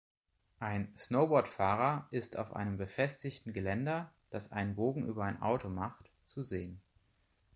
Ein Snowboardfahrer ist auf einem befestigten Geländer, das einen Bogen über ein Auto macht, zu sehen.